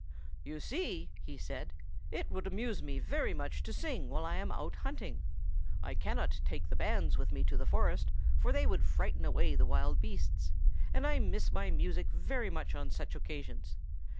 "You see," he said, "it would amuse me very much to sing while I am out hunting. I cannot take the bands with me to the forest, for they would frighten away the wild beasts; and I miss my music very much on such occasions.